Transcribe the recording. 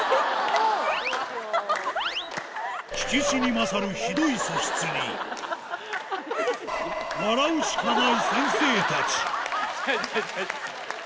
聞きしに勝るひどい素質に、笑うしかない先生たち。